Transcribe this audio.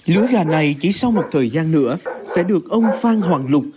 lứa gà này chỉ sau một thời gian nữa sẽ được ông phan hoàng lục